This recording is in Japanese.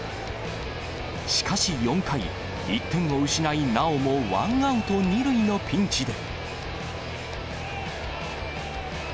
しかし４回、１点を失い、なおもワンアウト２塁のピンチで。